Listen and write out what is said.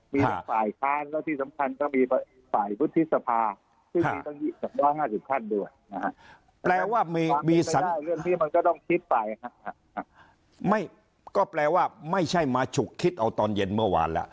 มีภาคทานแล้วที่สำคัญก็มีภาคพุทธศพาซึ่งมีตั้งอยู่กับ๑๕๐ท่านด้วย